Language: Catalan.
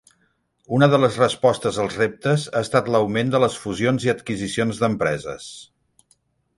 Una de les respostes als reptes ha estat l'augment de les fusions i adquisicions d'empreses.